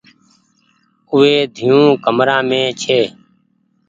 اوئي ۮييون ڪمرآ مين ڇي۔